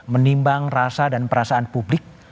menimbang rasa dan perasaan publik